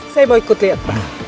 saya mau ikut lihat